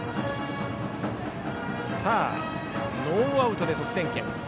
ノーアウトで得点圏。